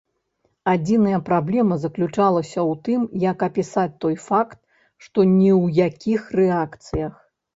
Адзіная праблема заключалася ў тым, як апісаць той факт, што ні ў якіх рэакцыях.